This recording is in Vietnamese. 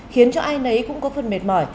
khiến cho ai nấy cũng có phần mệt mỏi